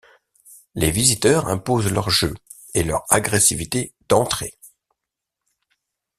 Les visiteurs imposent leur jeu et leur agressivité d'entrée.